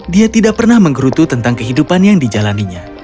dia tidak pernah menggerutu tentang kehidupan yang dijalaninya